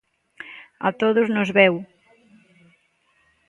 A todos nos veu.